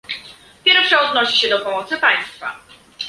Pierwsza odnosi się do pomocy państwa